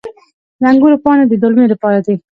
د انګورو پاڼې د دلمې لپاره دي.